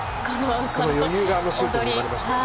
その余裕があのシュートに生まれましたね。